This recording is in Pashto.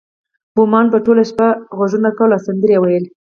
بومانو به ټوله شپه غږونه کول او سندرې ویلې